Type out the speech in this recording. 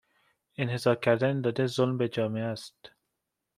انحصار کردن داده، ظلم به جامعه است